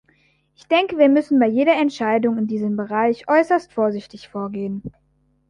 Ich denke, wir müssen bei jeder Entscheidung in diesem Bereich äußerst vorsichtig vorgehen.